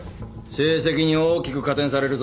成績に大きく加点されるぞ。